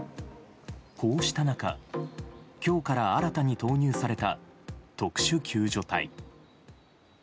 こうした中今日から新たに投入された特殊救助隊。